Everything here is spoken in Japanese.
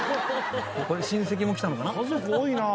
これ親戚も来たのかな？